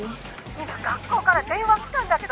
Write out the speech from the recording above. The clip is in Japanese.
今学校から電話来たんだけど！